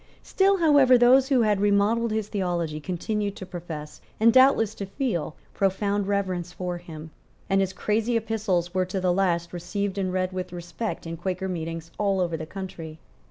Still, however, those who had remodelled his theology continued to profess, and doubtless to feel, profound reverence for him; and his crazy epistles were to the last received and read with respect in Quaker meetings all over the country.